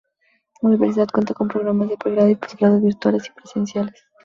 La Universidad cuenta con programas de Pregrado y Postgrado virtuales y presenciales.